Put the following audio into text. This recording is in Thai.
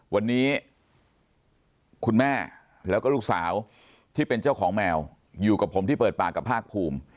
วันนี้คุณแม่แล้วก็ลูกสาวที่เป็นเจ้าของแมวอยู่กับผมที่เปิดปากกับภาคภูมิ